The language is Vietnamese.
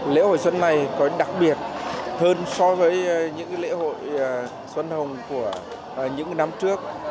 lễ hội xuân này có đặc biệt hơn so với những lễ hội xuân hồng của những năm trước